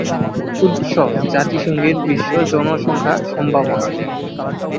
উৎস: "জাতিসংঘের বিশ্ব জনসংখ্যা সম্ভাবনা"